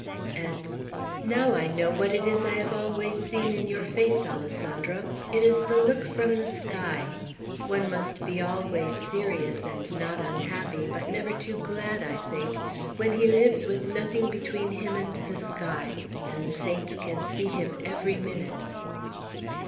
And, "Now I know what it is I have always seen in your face, Alessandro. It is the look from the sky. One must be always serious and not unhappy, but never too glad, I think, when he lives with nothing between him and the sky, and the saints can see him every minute."